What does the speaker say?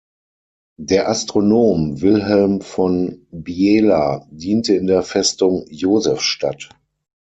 Der Astronom Wilhelm von Biela diente in der Festung Josefstadt.